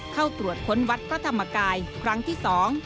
เข้าตรวจค้นวัดพระธรรมกายครั้งที่สอง